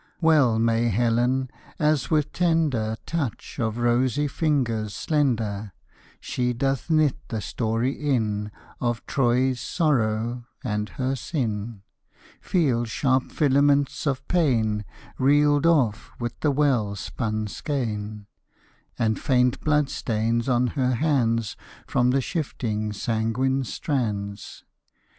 Well may Helen, as with tender Touch of rosy fingers slender She doth knit the story in Of Troy's sorrow and her sin, Feel sharp filaments of pain Reeled off with the well spun skein, And faint blood stains on her hands From the shifting sanguine strands.